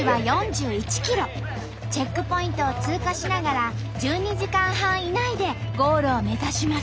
チェックポイントを通過しながら１２時間半以内でゴールを目指します。